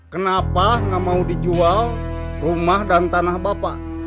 kenapa nggak mau dijual rumah dan tanah bapak